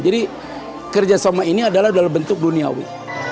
jadi kerjasama ini adalah dalam bentuk duniawi